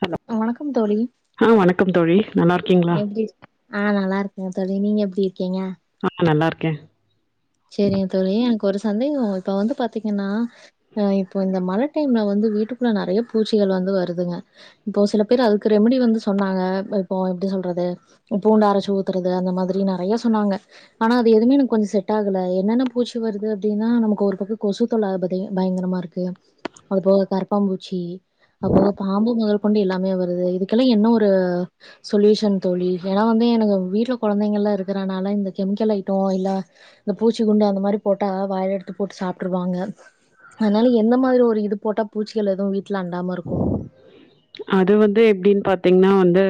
Hello வணக்கம் தோழி ஆஹ் வணக்கம் தோழி நல்லா இருக்கீங்களா ஆஹ் நல்லா இருக்கேங்க தோழி நீங்க எப்படி இருக்கீங்க ஆஹ் நல்லா இருக்கேன் செரிங்க தோழி அங் ஒரு சந்தேகம் இப்ப வந்து பாத்தீங்கன்னா அ இப்போ இந்த மழ டைம்ல வந்து வீட்டுக்குள்ள நெறைய பூச்சிகள் வந்து வருதுங்க இப்போ சில பேர் அதுக்கு ரெம்டி வந்து சொன்னாங்க இப்போ எப்டி சொல்றது பூண்டரைச்சு ஊத்துறது அந்த மாதிரி நெறைய சொன்னாங்க ஆனா அது எதுவுமே எனக்கு கொஞ்சோம் செட்டு செட்டாகல என்னென்ன பூச்சி வருது அப்டின்னா நமக்கு ஒரு பக்கம் கொசு தொல்ல ப பயங்கரமா இருக்கு அது போக கரப்பான் பூச்சி அப்போ பாம்பு மா பொண்டு எல்லாமே வருது இதுக்கெல்லாம் என்ன ஒரு சொல்யூஷன் தோழி ஏன்னா வந்து எனக்கு வீட்ல கொழந்தைங்கள்லாம் இருக்கிறனால இந்த கெமிக்கல் ஐட்டம் இல்ல இந்த பூச்சி குண்டு அந்த மாரி போட்டா வாயில எடுத்து போட்டு சாப்ட்டுருவாங்க அதனால எந்த மாதிரி ஒரு இது போட்டா பூச்சிகள் எதுவும் வீட்ல அண்டாம இருக்கு அது வந்து எப்டின்னு பாத்தீங்கன்னா வந்து வந்து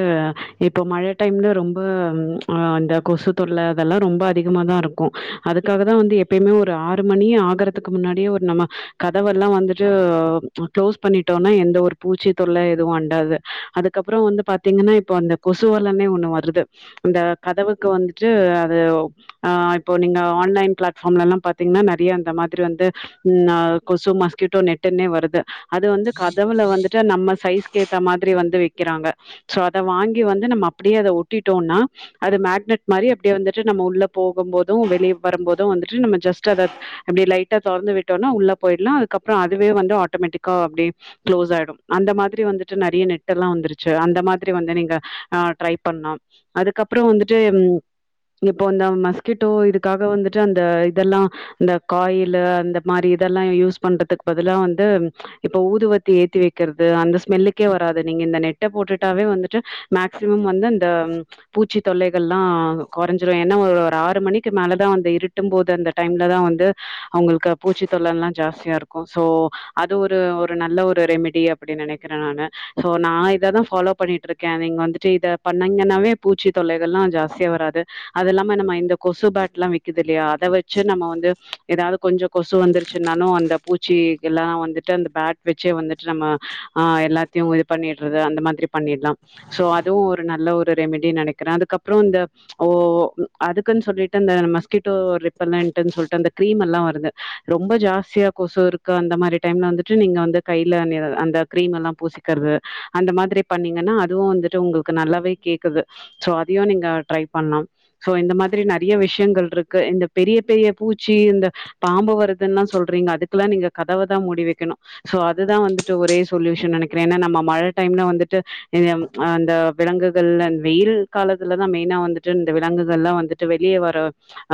இப்போ மழ டைம்ல ரொம்ப அந்த கொசு தொல்ல அதெல்லாம் ரொம்ப அதிகமா தான் இருக்கும் அதுக்காக தான் வந்து எப்பயுமே ஒரு ஆறு மணி ஆகுறதுக்கு முன்னாடியே ஒரு நம்ம கதவெல்லாம் வந்துட்டு அ க்ளோஸ் பண்ணிட்டு பண்ணிட்டோனா எந்த ஒரு பூச்சி தொல்ல எதுவும் அண்டாது அதுக்கப்புறோம் வந்து பாத்தீங்கன்னா இப்ப அந்த கொசு வலனே ஒண்ணு வருது இந்த கதவுக்கு வந்துட்டு அது இப்ப நீங்க ஆன்லைன் பிளாட்ஃபார்ம்லாம்லலா பாத்தீங்கன்னா நெறைய அந்த மாதிரி வந்து கொசு மஸ்கிட்டோ நெட்டுனே வருது அது வந்து கதவுள வந்துட்டு நம்ம சைஸ்க்கு ஏத்த மாதிரி வந்து வைக்கிறாங்க ஸோ அத வாங்கி வந்து நம்ம அப்டியே அத ஒட்டிட்டோம்னா அது மேக்னெட் மாதிரி அப்டியே வந்துட்டு நம்ம உள்ள போகும் போதும் வெளியே வரும்போது வந்துட்டு நம்ம ஜஸ்ட் அத அப்டியே லைட்டாக தொறந்து விட்டோம்னா உள்ள போயிடலாம் அதுக்கப்புறம் அதுவே வந்து ஆட்டோமேட்டிக்கா அப்டியே குளோஸ் ஆயிடும் அந்த மாதிரி வந்து நெறைய நெட் எல்லாம் வந்துருச்சு அந்த மாதிரி வந்து நீங்க ஆ ட்ரை பண்லாம் அதுக்கப்புறம் வந்துட்டு இப்போ அ மஸ்கிட்டோ இதுக்காக வந்துட்டு அந்த இதெல்லாம் இந்த காயில் அந்த மாரி இதெல்லாம் யூஸ் பண்றதுக்கு பதிலா வந்து இப்ப ஊது வத்தி ஏத்தி வைக்கிறது அந்த ஸ்மெல்லுக்கே வராது நீங்க இந்த நெட்ட போட்டுட்டாவே வந்துட்டு மேக்சிமம் வந்து அந்த பூச்சி தொல்லைகள்ல்லாம் கொறஞ்சிரும் ஏன்னா ஒரு ஒரு ஆறு மணிக்கு மேலதான் அந்த இருட்டும் போது அந்த டைம்ல தான் வந்து உங்களுக்கு பூச்சி தொல்லலாம் ஜாஸ்தியா இருக்கும் சோ அது ஒரு ஒரு நல்ல ஒரு ரெமிடி அப்படினு நெனைக்கிறேன் நானு சோ நான் இத தான் ஃபாலோ பண்ணிட்டு இருக்கேன் நீங்க வந்துட்டு இத பண்ணீங்கன்னாவே பூச்சி தொல்லைகள் எல்லாம் ஜாஸ்தியா வராது அது இல்லாம நம்ம இந்த கொசு பேட் எல்லாம் விக்குது இல்லையா அத வச்சு நம்ம வந்து ஏதாவது கொஞ்சம் கொசு வந்துருச்சுனாலும் அந்த பூச்சில்லாம் வந்து பேட் வச்சே வந்துட்டு நம்ம அ எல்லாத்தையும் இது பண்ணிடுறது அந்த மாதிரி பண்ணிடலாம் சோ அதுவும் ஒரு நல்ல ஒரு ரெமிடினு நெனைக்கிறேன் அதுக்கப்புறம் இந்த ஓஅதுக்குன்னு சொல்லி அ மஸ்கிட்டோ ரிப்பல்லன் சொல்லிட்டு அந்தக்ரீம் எல்லாம் வருது ரொம்ப ஜாஸ்தியா கொசு இருக்கு அந்த மாதிரி டைம்ல வந்துட்டு நீங்க வந்து கையில அந்த கிரீம் எல்லாம் பூசிக்கிறது அந்த மாதிரி பண்ணீங்கன்னா அதுவும் வந்துட்டு உங்களுக்கு நல்லாவே கேக்குதுசோ அத நீங்க ட்ரை பண்ணலாம் இந்த மாரி நெறைய விஷயங்கள் இருக்கு இந்த பெரிய பெரிய பூச்சி இந்த பாம்பு வருது சொல்றீங்க அதுக்கெல்லாம் நீங்க கத மூடி வக்கணும் அதுதான் வந்துட்டு ஒரே சொல்யூஷன் நெனைக்கிறேன் ஏன்னா நம்ம மழ டைம்ல வந்துட்டு அந்த வெலங்குகள்ல வெயில் காலத்துலதான் மெயினா வந்துட்டு இந்த விலங்குகள்லாம் வந்துட்டு வெளியே வர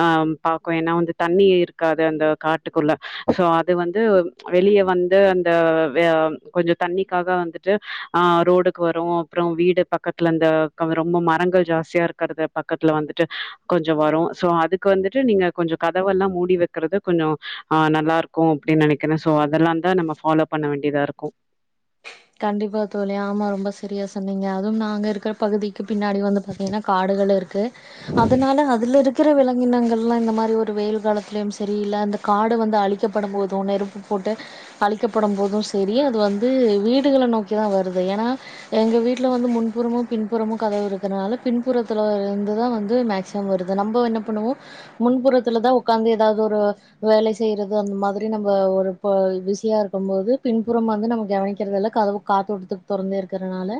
ஆ பாக்கும் ஏன்னா வந்து தண்ணி இருக்காது அந்த காட்டுக்குள்ள சோ அது வந்து வெளிய வந்து அந்த கொஞ்சோம் தண்ணிக்காக வந்துட்டு ஆ ரோடுக்கு வரும் அப்புறம் வீடு பக்கத்துல அந்த ரொம்ப மரங்கள் ஜாஸ்தியா இருக்கறத பக்கத்துல வந்துட்டு கொஞ்சோம் வரும் சோ அதுக்கு வந்துட்டு நீங்க கொஞ்சம் கதவெல்லாம் மூடி வக்கறது கொஞ்சோம் ஆ நல்லா இருக்கும் அப்டின்னு நெனைக்க என்ன சோ அதெல்லாம் தான் நம்ம ஃபாலோ பண்ண வேண்டியதா இருக்கும் கண்டிப்பா தோழி ஆமா ரொம்ப சரியா சொன்னீங்க அதுவும் நாங்க இருக்கிற பகுதிக்கு பின்னாடி வந்து பாத்தீங்கன்னா காடுகள் இருக்கு அதனால அதுல இருக்க இருக்கிற விலங்கினங்கள்லாம் இந்த மாரி ஒரு வெயில் காலத்துலயும் செரி இல்ல இந்த காடு வந்து அழிக்கப்படும் போதும் நெருப்பு போட்டு அழிக்கப்படும் போதும் செரி அது வந்து வீட்டு வீட்டுகளை நோக்கிதான் வருது ஏன்னா எங்க வீட்ல வந்து முன்புறமும் பின்புறமும் கதவு இருக்கிறதுனால பின்புறத்துல இருந்துதான் வந்து மேக்சிமம் வருது நம்ம என்ன பண்ணுவோ முன்புறத்துல தான் உக்காந்து ஏதாவது ஒரு வேல செய்யுறது அந்த மாதிரி நம்ம ஒரு பிஸியா இரு போது பின்புறம் வந்து நம்ம கவனிக்க தெரில கதவு காத்தோட்டத்துக்கு தொறந்தே இருக்கிறனால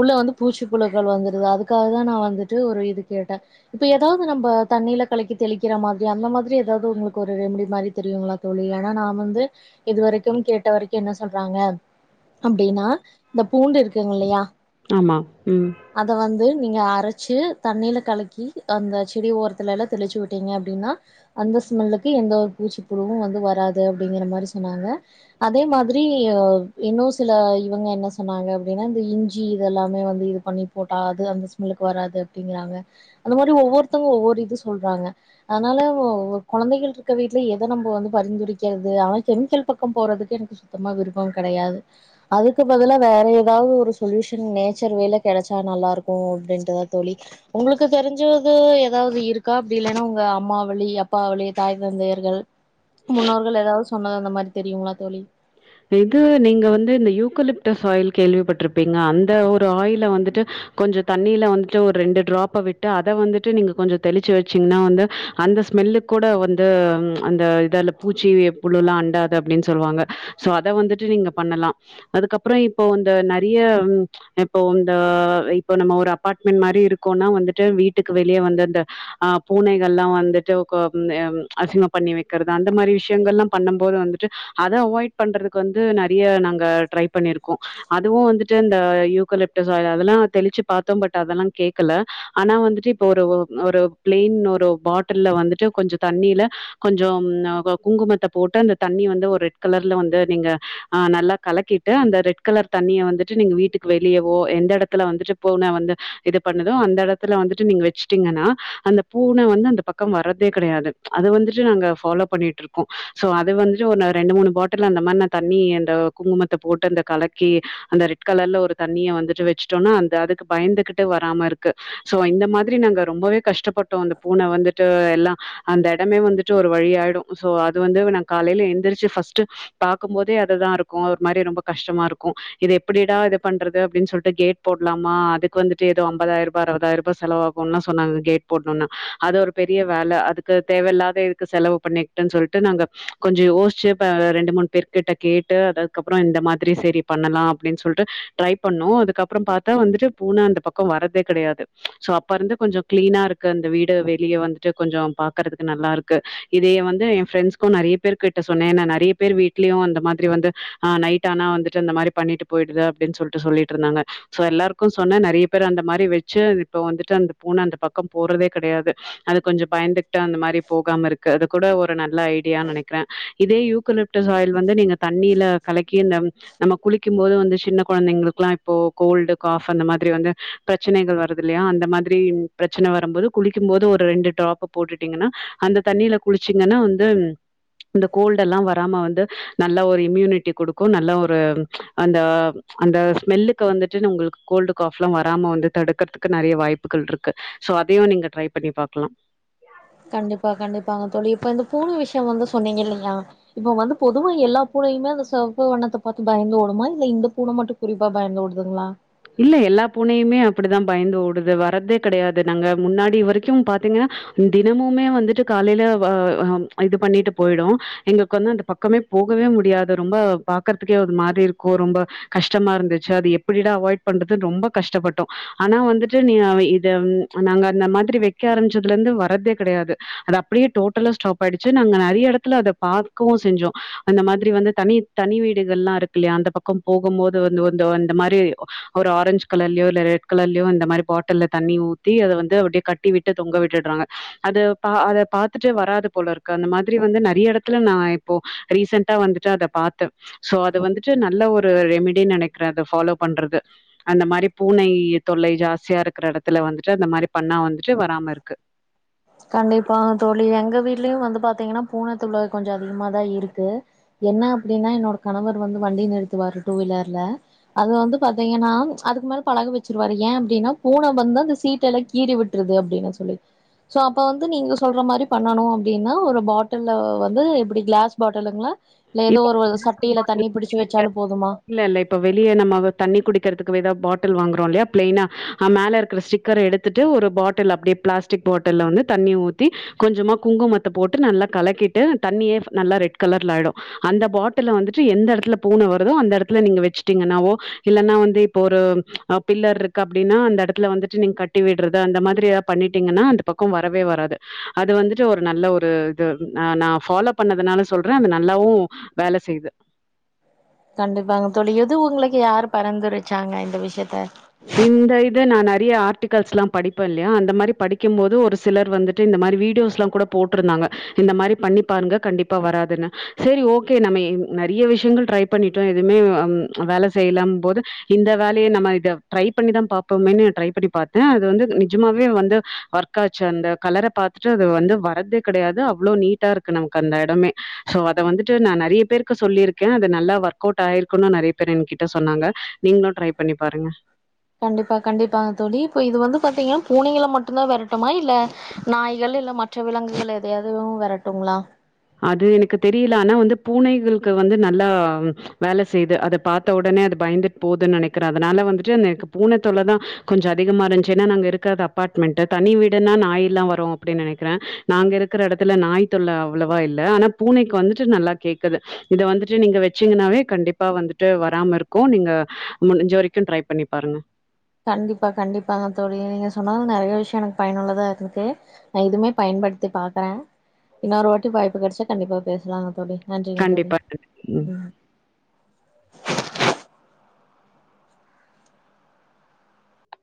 உள்ள வந்து பூச்சிப்புழுக்கள் வந்துடுது அதுக்காக தான் நான் வந்துட்டு ஒரு இது கேட்டேன் இப்ப ஏதாவது நம்ம தண்ணீல கலக்கி தெளிக்கிற மாரி அந்த மாதிரி ஏதாவது உங்களுக்கு ஒரு ரெமிடி மாதிரி தெரியுங்களா தோழி ஏன்னா நான் வந்து இதுவரைக்கும் கேட்டவரைக்கும் என்ன சொல்றாங்க அப்டின்னா இந்த பூண்டு இருக்குங்க இல்லியா ஆமா. ம். அத வந்து நீங்க அரைச்சு தண்ணீல கலக்கி அந்த செடி ஓரத்துல எல்லாம் தெளிச்சு விட்டீங்க அப்டின்னா அந்த ஸ்மெல்லுக்கு எந்த ஒரு பூச்சிப்புழுவும் வந்து வராது அப்டிங்கிற மாரி சொன்னாங்க அதே மாதிரி இன்னும் சில இவங்க என்ன சொன்னாங்க அப்டின்னா இந்த இஞ்சி இதெல்லாமே வந்து இது பண்ணி போட்டா அது அந்த ஸ்மெல்லுக்கு வராது அப்டிங்கிறாங்க அந்த மாதிரி ஒவ்வொருத்தவங்க ஒவ்வொரு இது சொல்றாங்க அதனால கொழந்தைகள் இருக்க வீட்டில் எத நம்ம வந்து பரிந்துரைக்கிறது ஆனால் கெமிக்கல் பக்கம் போறதுக்கு எனக்கு சுத்தமாக விருப்பம் கெடையாது அதுக்கு பதிலா வேற ஏதாவது ஒரு சொல்யூஷன் நேச்சர் வேல கிடைச்சா நல்லா இருக்கும் அப்படின்ட்டுதான் தோழி உங்களுக்கு தெரிஞ்சது ஏதாவது இருக்கா அப்டி இல்லன்னா உங்க அம்மாவழி அப்பாவழி தாய் தந்தையர்கள் முன்னோர்கள் ஏதாவது சொன்னது அந்த மாதிரி தெரியுங்களா தோழி இது நீங்க வந்து இந்த யூகலிப்டஸ் ஆயில் கேள்விப்பட்டிருப்பீங்க அந்த ஒரு ஆயில வந்துட்டு கொஞ்சம் தண்ணில வந்துட்டு ஒரு ரெண்டு ட்ராப்ப விட்டு அத வந்துட்டு நீங்க கொஞ்சம் தெளிச்சு வச்சீங்கன்னா வந்து அந்த ஸ்மெல்லு கூட வந்து அந்த இதால பூச்சிப் புழுவு எல்லாம் அண்டாது அப்டின்னு சொல்லுவாங்க சோ அத வந்துட்டு நீங்க பண்ணலாம் அதுக்கப்புறோம் இப்போ இந்த நெறைய இப்போ இந்த இப்போ நம்ம ஒரு அபார்ட்மெண்ட் மாரி இருக்கோனா வந்துட்டு வீட்டுக்கு வெளியே வந்து அந்த அ பூனைகள் எல்லாம் வந்துட்டு அசிங்கம் பண்ணி வைக்கிறது அந்த மாரி விஷயங்கள் எல்லாம் பண்ணும் போது வந்துட்டு அத அவாய்ட் பண்றது வந்து நெறைய நாங்க ட்ரை பண்ணிருக்கோம் அதுவும் வந்துட்டு இந்த யூக்கலெப்டிஸ் ஆயில் அதல்லாம் தெளிச்சு பாத்தோம் பட் அதெல்லாம் கேக்கல ஆனா வந்துட்டு இப்ப ஒரு பிளெயின் ஒரு பாட்டில் வந்துட்டு கொஞம் தண்ணில கொஞ்சோம் குங்குமத்த போட்டு அந்த தண்ணி வந்து ஒரு ரெட் கலர் உள்ள வந்து நீங்க நல்லா கலக்கிட்டு அந்த ரெட் கலர் தண்ணிய வந்துட்டு வீட்டு வெளியவோ எந்த எடத்துல வந்து பூனை இது பண்ணுதோ அந்த எடத்துலத்துல வந்து நீங்க வச்சீடிங்னா அந்த பூன அந்த பக்கம் வரதே கெடையாது அத வந்துட்டு நாங்க ஃபாலோ பண்ணிட்டு இருக்கோம் சோ அத வந்துட்டு ரெண்டு மூணு பாட்டில் அந்த மாரி நான் தண்ணி அந்த குங்குமத்த போட்டு அந்த கலக்கி அந்த ரெட் கலர்ல ஒரு தண்ணிய வந்துட்டு வச்சட்டோம்னா அந்த அதுக்கு பயந்துகிட்டு வராம இருக்கு சோ இந்த மாதிரி நாங்க ரொம்பவே கஷ்டப்பட்டோம் அந்த பூன வந்துட்டு எல்லாம் அந்த எடமே வந்துட்டு ஒரு வழியாயிடும் சோ அது வந்து நா காலையில எழுந்திரிச்சு ஃபர்ஸ்ட் ஃபர்ஸ்ட் பாக்கும் போதே அதுதான் இருக்கும் ஒரு மாரி ரொம்ப கஷ்டமா இருக்கும் இது எப்படிடா இது பண்றது அப்படின்னு சொல்லிட்டு கேட் போடலாமா அதுக்கு வந்துட்டு ஏதோ அம்பதாயிரூபா அறுபதாயிரரூபாய் செலவாகும் சொன்னாங்க கேட் போடணும்னு அது ஒரு பெரிய வேலை அதுக்கு தேவையில்லாத எதுக்கு செலவு பண்ணிக்கட்டு சொல்லிட்டு நாங்க கொஞ்சம் யோசிச்சு ரெண்டு மூணு பேருட்ட கேட்டு அதுக்கப்புறம் இந்த மாதிரி செரி பண்ணலாம் அப்டின்னு சொல்லிட்டு ட்ரை பண்ணோம் அதுக்கப்புறம் பாத்தா வந்துட்டு பூன அந்த பக்கம் வரதே கெடையாது சோ அப்ப இருந்து கொஞ்சம் கிளீனா இருக்கு அந்த வீடு வெளியே வந்துட்டு கொஞ்சம் பாக்கறதுக்கு நல்லா இருக்கு இதைய வந்து என் பிரெண்ட்ஸ்க்கு நெறைய பேரு கிட்ட சொன்னேன் நெறைய பேர் வீட்லயும் அந்த மாதிரி வந்து ஆ நைட் ஆனா வந்துட்டு அந்த மாதிரி பண்ணிட்டு போயிடுது அப்டின்னு சொல்லிட்டு சொல்லிட்டு இருந்தாங்க சோ எல்லாருக்கும் சொன்ன நெறைய பேர் அந்த மாதிரி வெச்சு இப்ப வந்துட்டு அந்த பூனை அந்த பக்கம் போறதே கெடையாது அது கொஞ்சம் பயந்து விட்டா அந்த மாரி போகாம இருக்குறது கூட ஒரு நல்ல ஐடியானு நினைக்கிறேன் இதே யூ லிட்டு வந்து நீங்க தண்ணியில கலக்கி இந்த நம்ம குளிக்கும் போது வந்து சின்ன குழந்தைங்களுக்குல்லாம் இப்போ கோல்டு காப் அந்த மாதிரி பிரச்சனைகள் வருது இல்லையா அந்த மாதிரி பிரச்சனை வரும்பது குளிக்கும்பது ஒரு ரெண்டு ட்ராப் போட்டுட்டீங்கன்னா அந்த தண்ணில குளிச்சிங்கன்னா வந்து கோல்டுலாம் வ வராம வந்து நல்லா ஒரு இம்யூனிட்டி கொடுக்கும் நல்லா ஒரு அந்த அந்த ஸ்மெல்லுக்கு வந்துட்டு உங்களுக்கு கோல்டு காப் எல்லாம் வராம வந்து தடுக்கறதுக்கு நிறைய வாய்ப்புகள் இருக்கு சோ அதையும் நீங்க ட்ரை பண்ணி பாக்கலாம் கண்டிப்பா கண்டிப்பாங்க தோழி இப்ப இந்த பூனை விஷயம் வந்து சொன்னீங்க இல்லையா இப்ப வந்து பொதுவா எல்லா பூனையுமே அந்த சிவப்பு வண்ணத்தை பாரு பயந்து ஓடுமா இல்ல இந்த பூனை மட்டும் குறிப்பா பயந்து ஓடுதுங்களா இல்ல எல்லா பூனையுமே அப்படிதான் பயந்து ஓடுது வர்றதே கெடையாது நாங்க முன்னாடி இ வரைக்கும் பாத்தீங்கன்னா தினமுமே வந்துட்டு காலையில இது பண்ணிட்டு போயிடும் எங்களுக்கு வந்து அந்த பக்கமே போகவே முடியாது ரொம்ப பாக்கறதுக்கே அது மாதிரி இருக்கும் ரொம்ப கஷ்டமா இருந்துச்சு அது எப்படிடா அவாய்ட் பண்றது ரொம்ப கஷ்டப்பட்டோம் ஆனா வந்துட்டு நீ இத நாங்க அந்த மாதிரி வைக்க ஆரம்பிச்சதுல இருந்து வரதே கிடையாது அது அப்படியே டோட்டலா ஸ்டாப் ஆயிடுச்சு நாங்க நிறைய இடத்துல அதை பாார்கக்கவும் செஞ்சோம் அந்த மாதிரி வந்து தனி தனி வீடுகள் எல்லாம் இருக்கு இல்லையா அந்த பக்கம் போகும் போது வந்துந்து அந்த மாதிரி ஒரு ஆரஞ்ச் கலர்லயோ இல்லை ரெட் கலர்லயோ இந்த மாதிரி பாட்டிலில் தண்ணி ஊற்றி அதை வந்து அப்படியே கட்டி விட்டு தொங்க விட்டுறாங்க அதை பா அதை பார்த்துட்டு வராது போல இருக்கு அந்த மாதிரி வந்து நிறைய இடத்துல நான் இப்போ ரீசெண்டட்டாக வந்துட்டு அதை பார்த்தேன் ஸோ அதது வந்துட்டு நல்ல ஒரு ரெமிடனு நினைக்கிறேன் அதை ஃபாலோ பண்றது அந்த மாதிரி பூனை தொல்லை ஜாஸ்தியா இருக்கிற இடத்துல வந்துட்டு அந்த மாதிரி பண்ணா வந்துட்டு வராம இருக்கு கண்டிப்பா தோழி எங்க வீட்லயும் வந்து பாத்தீங்கன்னா பூனைத் தொல்லை கொஞ்சம் அதிகமாதான் இருக்கு என்ன அப்படின்னா என்னோட கணவர் வந்து வண்டி நிறுத்துவாரு டூ வீலர்ல அது வந்து பாத்தீங்கன்னா அதுக்கு மேல பழக வச்சிருவாரு ஏன் அப்படின்னா பூனை வந்து அந்த சீட எல்லாம் கீறி விட்டுருது அப்படின்னா சொல்லி ஸோ அப்போ வந்து நீங்கள் சொல்ற மாதிரி பண்ணணும் அப்படின்னா ஒரு பாட்டிலில் வந்து எப்படி கிளாஸ் பாட்டிலுங்க இப்ப இ இ வச்சாலு போதுமா இல்ல வெளியே நம்ம தண்ணி குடிக்கிறதுக்கு ஏதாவ பாட்டில் வாங்குறோம் இல்லையா பிளைன் அ பாட்டில் மேல இருக்கிற ஸ்டிக்கர் எடுத்துட்டு ஒரு பாட்டில் அப்படிய பிளாஸ்டிக் பாட்டில் வந்து தண்ணி ஊத்தி கொஞ்சமா குங்குமத்த போட்டு நல்லா கலக்கிட்டு தண்ணியே நல்லா ரெட் கலர்ல ஆயிடும் அந்த பாட்டில் வந்துட்டு எந்த இடத்துல பூனை வருதோ அந்த இடத்துல நீங்க வச்சுட்டீங்கன்னாவோ இல்லைன்னா வந்து இப்போ ஒரு பில்லர் இருக்கு அப்படின்னா அந்த இடத்துல வந்துட்டு நீங்க கட்டி விடுறத அந்த மாதிரி எதாவது பண்ணிட்டீங்கன்னா அந்த பக்கம் வரவே வராது அது வந்துட்டு ஒரு நல்ல ஒரு இது ஹ் நான் பாலோ பண்ணதுனால சொல்றேன் அந்த நல்லாவும் வேலை செய்யுது கண்டிப்பாங்க தோழி எது உங்களுக்கு யாரு பரந்துருச்சாங்க இந்த விஷயத்த இந்த இத நான் நிறைய ஆர்டிக் கல்ஸ் எல்லாம் படிப்பேன் இல்லையா அந்த மாதிரி படிக்கும் போது ஒரு சிலர் வந்துட்டு இந்த மாதிரி வீடியோஸ் எல்லாம் கூட போட்டிருந்தாங்க இந்த மாதிரி பண்ணிப்பாருங்க கண்டிப்பா வராதுன்னு செரி ஓகே நம்ம நிறைய விஷயங்கள் ட்ரை பண்ணிட்டோம் எதுவுமே வேலை செய்யலாம் போது இந்த வேலையே நம்ம இத ட்ரை பண்ணிதான் பாப்போம்மேன்னு ட்ரை பண்ணி பார்த்தேன் அது வந்து நிஜமாவே வந்து ஒர்க் ஆச்சு அந்த கலரை பார்த்துட்டு அது வந்து வரறதே கிடையாது அவ்வளோ நீட்டா இருக்கு நமக்கு அந்த இடமே சோ அத வந்துட்டு நான் நிறைய பேருக்கு சொல்லியிருக்கேன் அது நல்லா ஒர்க் அவுட் ஆயிருக்குன்னனு நிறைய பேர் என்கிட்ட சொன்னாங்க நீங்களும் ட்ரை பண்ணி பாருங்க கண்டிப்பா கண்டிப்பாங்க தோழி இப்ப இது வந்து பாத்தீங்கன்னா பூனைங்களை மட்டும்தான் விரட்டுமா இல்ல நாய்கள் இல்ல மற்ற விலங்குகள் எதையாவதுவும் விரட்டும்ங்களா அது எனக்கு தெரியல ஆனா வந்து பூனைகளுக்கு வந்து நல்லா வேல செய்து அத பாத்த ஒடனே அது பயந்துட்டு போதுன்னு நினைக்கிறே அதனால வந்துட்டு எனக்கு பூனை தொல்ல தா கொஞ்சோ அதிகமா இருந்துச்சு ஏன்னா நாங்க இருக்கது அப்பார்ட்மெண்ட்டு தனி வீடுனா நாயெல்லா வரு அப்டின்னு நெனைக்கிறே நாங்க இருக்கிற எடத்துல நாய் தொல்ல அவ்ளவா இல்ல ஆனா பூனைக்கு வந்துட்டு நல்லா கேக்குது இத வந்துட்டு நீங்க வச்சீங்கன்னாவே கண்டிப்பா வந்துட்டு வராம இருக்கு நீங்க முடிஞ்ச வரைக்கு ட்ரை பண்ணி பாருங்க கண்டிப்பா கண்டிப்பாங்க தோழி நீங்க சொன்னது நறையா விஷயோ எனக்கு பயனுள்ளதா இருந்துச்சு நா இதுமே பயன்படுத்தி பாக்குறே இன்னொரு வாட்டி வாய்ப்பு கிடைச்சா கண்டிப்பா பேசலாம்ங்க தோழி நன்றிங்க தோழி. கண்டிப்பா சிஸ்டர்